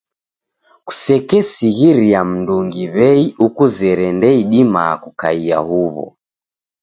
Kusekesighiria mndungi w'ei ukuzere ndeidima kukaia huw'o.